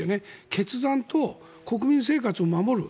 決断と国民生活を守る。